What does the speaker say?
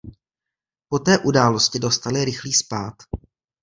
Poté události dostaly rychlý spád.